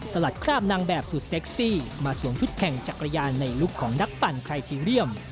สลัดคราบนางแบบสุดเซ็กซี่มาสวมชุดแข่งจักรยานในลุคของนักปั่นไคทีเรียม